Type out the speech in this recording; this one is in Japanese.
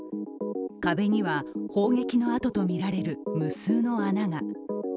壁には、砲撃の跡とみられる無数の穴が。